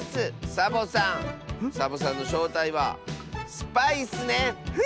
サボさんサボさんのしょうたいはスパイッスね！へ？